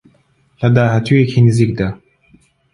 لە داهاتوویەکی نزیکدا